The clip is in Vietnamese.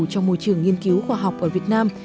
trong môi trường nghiên cứu khoa học ở việt nam